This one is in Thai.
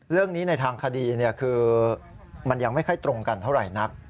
เรื่องนี้ในทางคดีคือมันยังไม่ค่อยตรงกันเท่าไหร่นัก